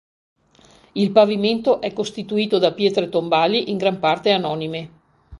Il pavimento è costituito da pietre tombali, in gran parte anonime.